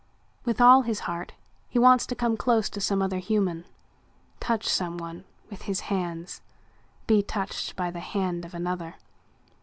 With all his heart he wants to come close to some other human, touch someone with his hands, be touched by the hand of another.